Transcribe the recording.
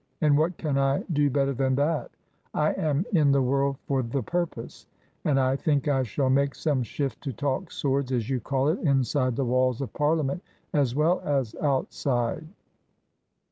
And what can I do better than that ! I am in the world for the purpose. And I think I shall make some shift to talk swords, as you call it, inside the walls of Parliament as well as outside."